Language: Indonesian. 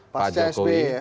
pasca sby ya